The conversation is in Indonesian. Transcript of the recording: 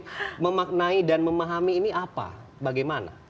tapi memaknai dan memahami ini apa bagaimana